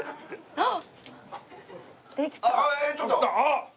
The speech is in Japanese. あっ！